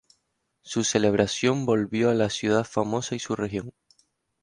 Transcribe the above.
Su celebración volvió a la ciudad famosa y su región.